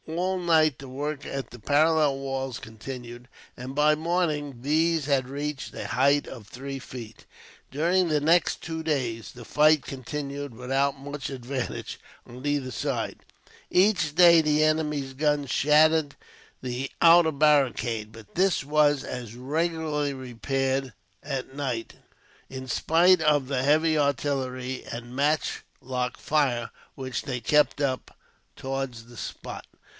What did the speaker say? All night the work at the parallel walls continued, and by morning these had reached a height of three feet. During the next two days the fight continued, without much advantage on either side. Each day the enemy's guns shattered the outer barricade, but this was as regularly repaired at night, in spite of the heavy artillery and matchlock fire which they kept up towards the spot.